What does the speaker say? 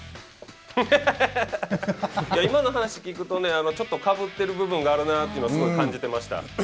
今の話聞くとねちょっと、かぶってる部分があるなというのはすごい感じてました。